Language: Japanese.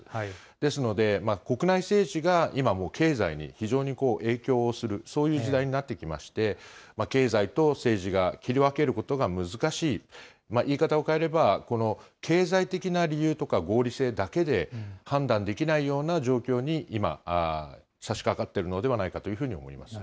ですので、国内政治が今もう経済に非常に影響をする、そういう時代になってきまして、経済と政治が切り分けることが難しい、言い方を変えれば、この経済的な理由とか合理性だけで判断できないような状況に今、さしかかってるのではないかというふうに思います。